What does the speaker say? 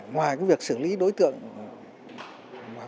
ngoài cái việc xử lý đối tượng khác